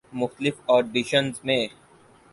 مختلف آڈیشنزمیں